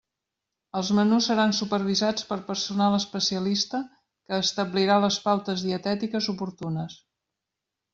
Els menús seran supervisats per personal especialista que establirà les pautes dietètiques oportunes.